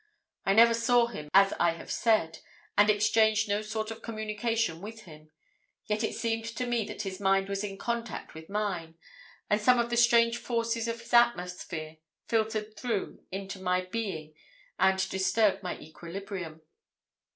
I never saw him, as I have said, and exchanged no sort of communication with him, yet it seemed to me that his mind was in contact with mine, and some of the strange forces of his atmosphere filtered through into my being and disturbed my equilibrium.